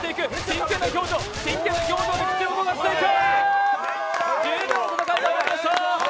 真剣な表情で口を動かしていく！